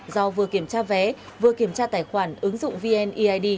do vừa kiểm tra vé vừa kiểm tra tài khoản ứng dụng vneid